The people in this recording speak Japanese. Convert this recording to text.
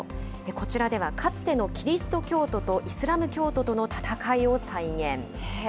こちらではかつてのキリスト教徒とイスラム教徒との戦いを再現。